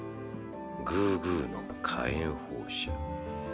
グーグーの火炎放射